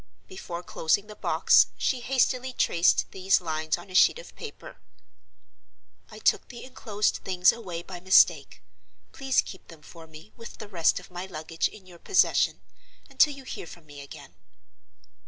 Before closing the box, she hastily traced these lines on a sheet of paper: "I took the inclosed things away by mistake. Please keep them for me, with the rest of my luggage in your possession, until you hear from me again."